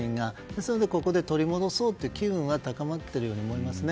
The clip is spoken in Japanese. ですのでここで取り戻そうという機運が高まっているように思います。